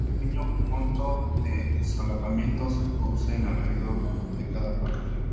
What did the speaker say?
Un pequeño monto de solapamiento se produce en y alrededor de cada parque.